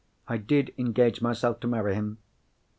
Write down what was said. "I did engage myself to marry him."